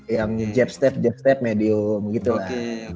yang jab step jab step medium gitu lah